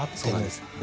そうなんです。